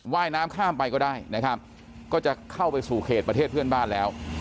ว่ายน้ำข้ามไปก็ได้นะครับก็จะเข้าไปสู่เขตประเทศเพื่อนบ้านแล้ว